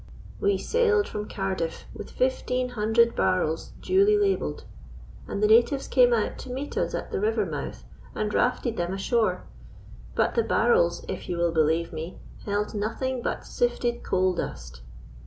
We sailed from Cardiff with fifteen hundred barrels duly labelled, and the natives came out to meet us at the river mouth and rafted them ashore; but the barrels, if you will believe me, held nothing but sifted coal dust.